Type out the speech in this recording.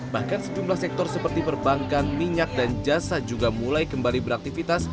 bahkan sejumlah sektor seperti perbankan minyak dan jasa juga mulai kembali beraktivitas